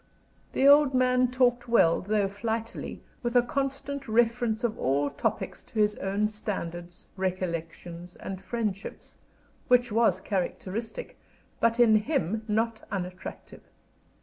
The old man talked well, though flightily, with a constant reference of all topics to his own standards, recollections, and friendships, which was characteristic, but in him not unattractive.